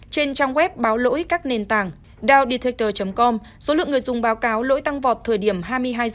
trên trang web báo lỗi các nền tảng downdetactor com số lượng người dùng báo cáo lỗi tăng vọt thời điểm hai mươi hai h